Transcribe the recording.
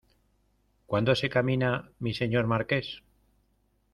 ¿ cuándo se camina, mi Señor Marqués?